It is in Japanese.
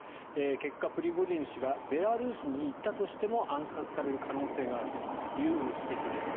結果、プリゴジン氏がベラルーシに行ったとしても暗殺される可能性があるという指摘です。